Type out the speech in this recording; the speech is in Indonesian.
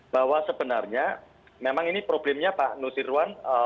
bahwa sebenarnya memang ini problemnya pak nusirwan